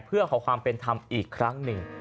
เพื่อขอความเป็นธรรมอีกครั้งหนึ่ง